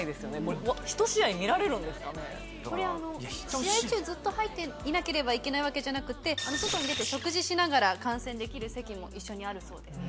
試合中ずっと入っていなければいけないわけじゃなくて外に出て食事しながら観戦できる席も一緒にあるそうです。